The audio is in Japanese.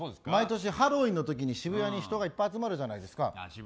毎年ハロウィーンの時に渋谷に人がいっぱい集まるじゃないですか。